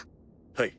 はい。